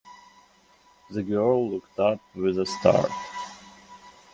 The girl looked up with a start.